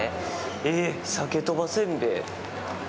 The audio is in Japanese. えっ、鮭とばせんべい。